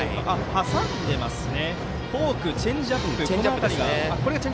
挟んでいますね。